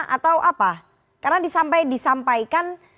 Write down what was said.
atau apa karena disampaikan